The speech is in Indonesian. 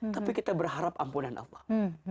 tapi kita berharap ampunan allah